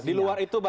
di luar itu baik